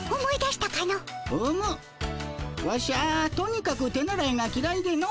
ワシャとにかく手習いがきらいでの。